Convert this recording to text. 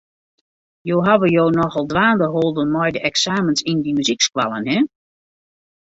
Jo hawwe jo nochal dwaande holden mei de eksamens op dy muzykskoallen, hin.